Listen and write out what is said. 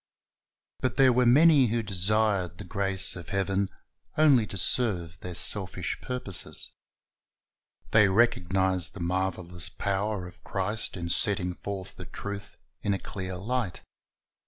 But there were many who desired the grace of heaven only to serve their selfish purposes. They recognized the marvelous power of Christ in setting forth the truth in a clear light.